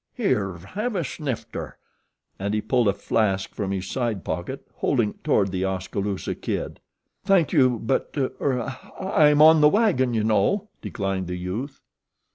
Here, have a snifter?" and he pulled a flask from his side pocket, holding it toward The Oskaloosa Kid. "Thank you, but; er I'm on the wagon, you know," declined the youth.